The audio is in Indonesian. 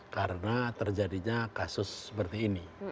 karena terjadinya kasus seperti ini